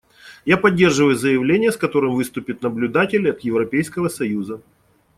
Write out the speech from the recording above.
Я поддерживаю заявление, с которым выступит наблюдатель от Европейского союза.